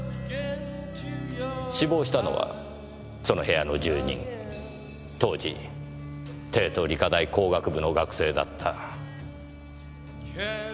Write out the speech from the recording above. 死亡したのはその部屋の住人当時帝都理科大工学部の学生だった藤北寛さん。